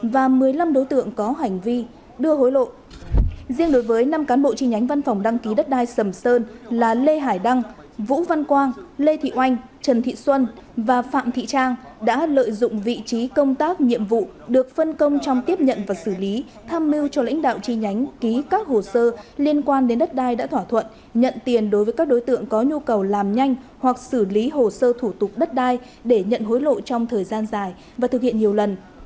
vũ văn quang lê thị oanh trần thị xuân và phạm thị trang đã lợi dụng vị trí công tác nhiệm vụ được phân công trong tiếp nhận và xử lý tham mưu cho lãnh đạo tri nhánh ký các hồ sơ liên quan đến đất đai đã thỏa thuận nhận tiền đối với các đối tượng có nhu cầu làm nhanh hoặc xử lý hồ sơ thủ tục đất đai để nhận hối lộ trong thời gian dài và thực hiện nhiều lần